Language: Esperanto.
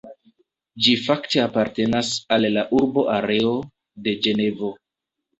Ĝi fakte apartenas al la urba areo de Ĝenevo.